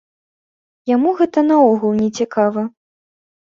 Яму гэта наогул не цікава.